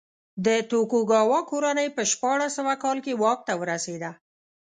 د توکوګاوا کورنۍ په شپاړس سوه کال کې واک ته ورسېده.